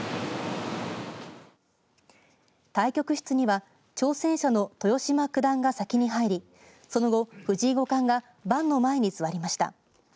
対局室には挑戦者の豊島九段が先に入りその後、藤井五冠が盤の前に座りました。